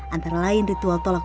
antara lain ritual tolak